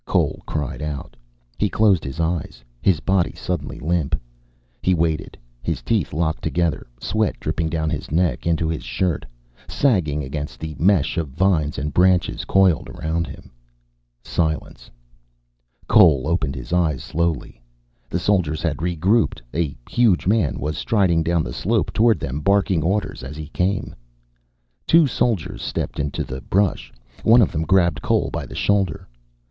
Cole cried out. He closed his eyes, his body suddenly limp. He waited, his teeth locked together, sweat dripping down his neck, into his shirt, sagging against the mesh of vines and branches coiled around him. Silence. Cole opened his eyes slowly. The soldiers had regrouped. A huge man was striding down the slope toward them, barking orders as he came. Two soldiers stepped into the brush. One of them grabbed Cole by the shoulder.